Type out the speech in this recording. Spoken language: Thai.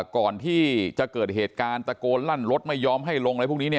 ก่อนที่จะเกิดเหตุการณ์ตะโกนลั่นรถไม่ยอมให้ลง